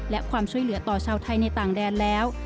และความช่วยเหลือต่อชาวไทยในต่างแดนแล้ว